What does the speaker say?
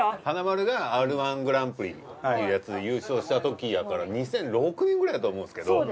華丸がＲ−１グランプリというやつで優勝したときやから２００６年くらいだと思うんですけど。